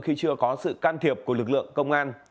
khi chưa có sự can thiệp của lực lượng công an